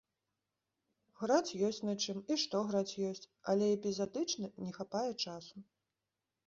Граць ёсць на чым, і што граць ёсць, але эпізадычна, не хапае часу.